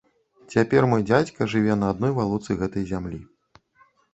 Цяпер мой дзядзька жыве на адной валоцы гэтай зямлі.